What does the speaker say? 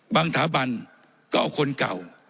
บางถาบรรย์ก็เอาคนเก่า